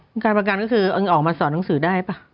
การประกันก็คือออกมาสอนหนังสือได้ป่ะ